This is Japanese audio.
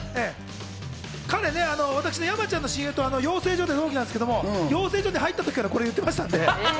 山ちゃんの親友と、彼、養成所で同期なんですけど、養成所に入った時からこれやってましたんで。